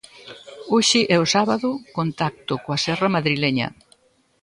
Hoxe e o sábado, contacto coa serra madrileña.